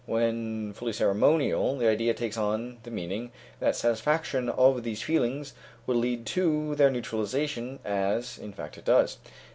When fully ceremonial, the idea takes on the meaning that satisfaction of these feelings will lead to their neutralization, as, in fact, it does.